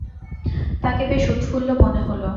তাঁকে বেশ উৎফুল্ল মনে হল।